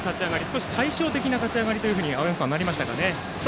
少し対照的な立ち上がりとなりましたね。